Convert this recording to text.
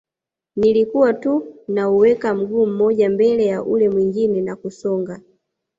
Nilikuwa tu nauweka mguu mmoja mbele ya ule mwingine na kusonga